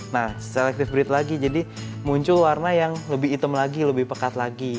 nah selective breat lagi jadi muncul warna yang lebih hitam lagi lebih pekat lagi